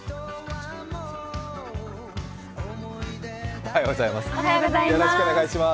おはようございます。